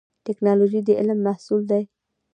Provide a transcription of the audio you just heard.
ټکنالوژي د علم محصول دی